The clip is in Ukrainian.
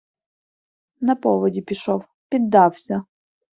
- На поводі пішов, піддався...